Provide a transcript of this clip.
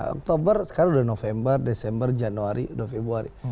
oktober sekarang udah november desember januari februari